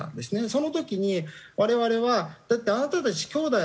その時に我々はだってあなたたち兄弟だよね？